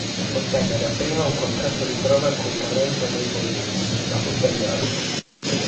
Ottenne dapprima un contratto di prova coi Toronto Maple Leafs, ma fu tagliato.